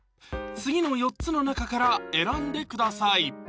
次の４つの中から選んでください